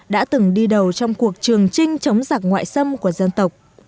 đã từng đi đầu trong cuộc trường trinh chống giặc ngoại xâm của dân tộc